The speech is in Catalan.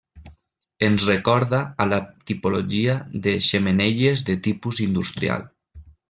Ens recorda a la tipologia de xemeneies de tipus industrial.